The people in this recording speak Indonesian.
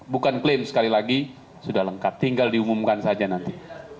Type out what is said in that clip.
bukan klaim sekali lagi sudah lengkap tinggal diumumkan saja nanti